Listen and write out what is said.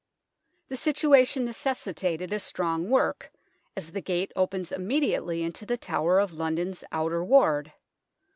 The situation necessitated a strong work, as the gate opens immediately into the Tower of London's Outer Ward.